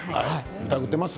疑っています？